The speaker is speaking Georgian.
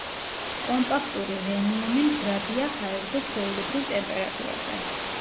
კომპაქტური რენიუმი მდგრადია ჰაერზე ჩვეულებრივ ტემპერატურაზე.